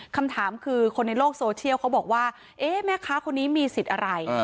คำถามคือคนในโลกโซเชียลเขาบอกว่าเอ๊ะแม่ค้าคนนี้มีสิทธิ์อะไร